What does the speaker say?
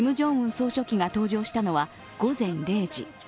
総書記が登場したのは午前０時。